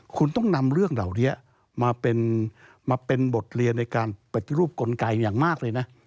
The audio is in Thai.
คุณต้องนำเรื่องเหล่านี้มาเป็นบทเรียนในการปฏิรูปกลไกอย่างมากเลยนะ